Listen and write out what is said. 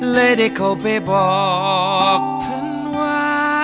เลยได้เขาไปบอกเพื่อนว่า